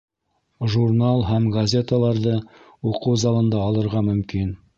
Журнал һәм газеталарҙы уҡыу залында алырға мөмкин.